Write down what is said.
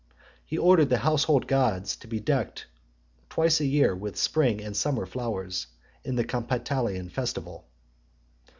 He ordered the household gods to be decked twice a year with spring and summer flowers , in the Compitalian festival.